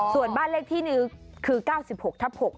ส่วนบ้านเลขที่หนึ่งคือ๙๖ทับ๖